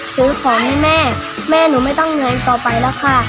ซื้อของให้แม่แม่หนูไม่ต้องเหนื่อยต่อไปแล้วค่ะ